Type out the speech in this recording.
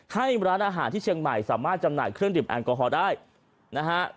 ให้ร้านอาหารที่เชียงใหม่สามารถจำหน่ายเครื่องดื่มแอลกอฮอล์ได้นะฮะ